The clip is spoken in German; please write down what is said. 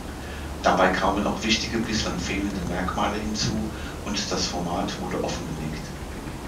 Dabei kamen auch wichtige bislang fehlende Merkmale hinzu und das Format wurde offengelegt.